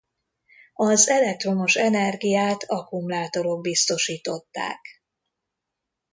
Az elektromos energiát akkumulátorok biztosították.